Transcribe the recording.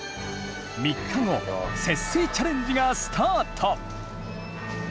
節水チャレンジがスタート！